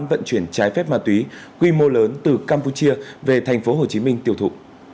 vận chuyển trái phép ma túy quy mô lớn từ campuchia về tp hcm tiêu thụ